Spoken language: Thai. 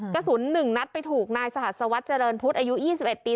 กระสุน๑นัดไปถูกนายสหัสวรัสเจริญพุทธอายุ๒๑ปี